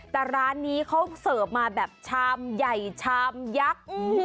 แต่ร้านนี้เขาเสิร์ฟมาแบบชามใหญ่ชามยักษ์